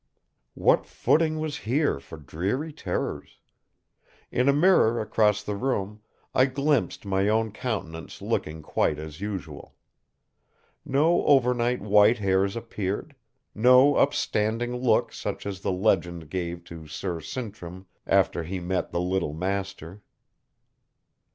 What footing was here for dreary terrors? In a mirror across the room I glimpsed my own countenance looking quite as usual. No over night white hairs appeared; no upstanding look such as the legend gave to Sir Sintram after he met the Little Master.